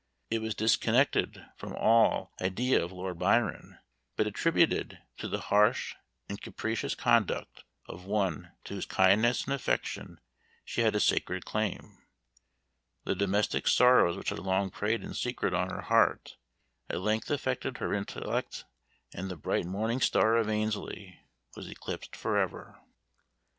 It was disconnected from all idea of Lord Byron, but attributed to the harsh and capricious conduct of one to whose kindness and affection she had a sacred claim. The domestic sorrows which had long preyed in secret on her heart, at length affected her intellect, and the "bright morning star of Annesley" was eclipsed for ever.